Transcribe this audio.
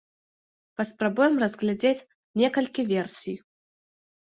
Паспрабуем разглядзець некалькі версій.